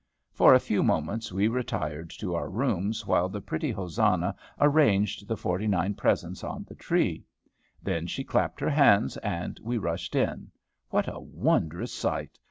For a few moments, we retired to our rooms while the pretty Hosanna arranged the forty nine presents on the tree. Then she clapped her hands, and we rushed in. What a wondrous sight!